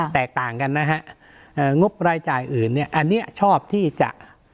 แตกต่างกันนะฮะงบรายจ่ายอื่นเนี่ยอันนี้ชอบที่จะ